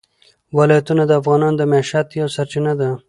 ولایتونه د افغانانو د معیشت یوه سرچینه ده.